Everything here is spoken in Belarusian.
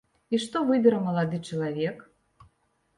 І што выбера малады чалавек?